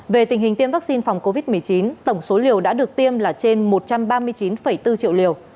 về tình hình tiêm vaccine phòng covid một mươi chín tổng số liều đã được tiêm là trên một trăm ba mươi chín bốn triệu liều